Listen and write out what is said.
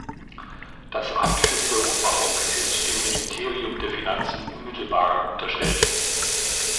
Das Amt für Wiedergutmachung ist dem Ministerium der Finanzen unmittelbar unterstellt.